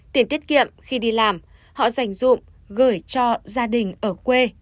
tiền tiết kiệm khi đi làm họ dành dụng gửi cho gia đình ở quê